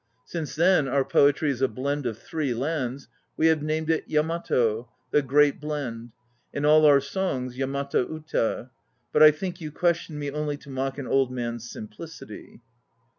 Since then our poetry is a blend of three lands, we have named it Yamato, the great Blend, and all our songs "Yamato Uta." But I think you question me only to mock an old man's simplicity.